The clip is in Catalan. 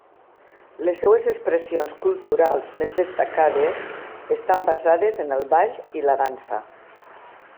Les seves expressions culturals més destacades estan basades en el ball i la dansa.